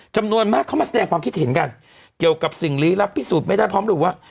จำนวนมากเข้ามาแสดงความคิดเห็นกันเกี่ยวกับสิ่งลี้ลับพิสูจน์ไม่ได้พร้อมระบุว่า